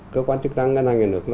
cơ quan chức trang ngân hàng nhà nước